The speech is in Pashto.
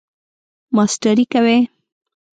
ماسټری کوئ؟